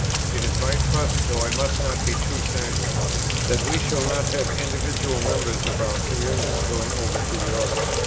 It is my trust, though I must not be too sanguine, that we shall not have individual members of our communion going over to yours.